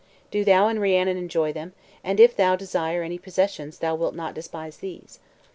Do thou and Rhiannon enjoy them, and if thou desire any possessions thou wilt not despise these."